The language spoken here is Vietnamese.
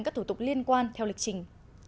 các thủ tục liên quan theo lịch trình